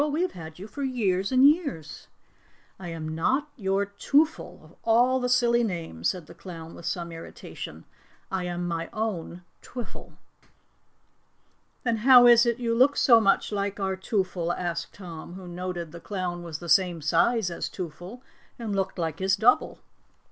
"We have had you for years and years." "I am not your Twoffle of all the silly names," said the clown with some irritation. "I am my own Twiffle." "Then how is it you look so much like our Twoffle?" asked Tom, who noted the clown was the same size as Twoffle and looked like his double.